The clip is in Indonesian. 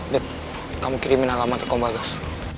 bet kamu kirimin alamatnya ke mbak gas